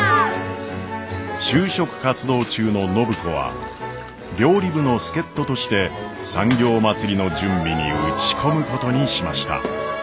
就職活動中の暢子は料理部の助っ人として産業まつりの準備に打ち込むことにしました。